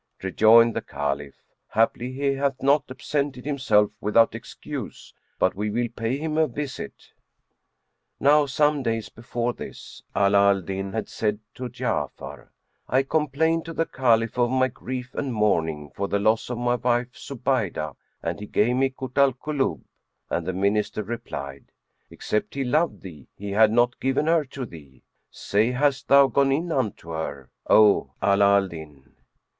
'" Rejoined the Caliph, "Haply he hath not absented himself without excuse, but we will pay him a visit." Now some days before this, Ala al Din had said to Ja'afar, "I complained to the Caliph of my grief and mourning for the loss of my wife Zubaydah and he gave me Kut al Kulub;" and the Minister replied, "Except he loved thee, he had not given her to thee. Say hast thou gone in unto her, O Ala al Din?"